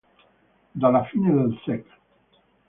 Dalla fine del sec.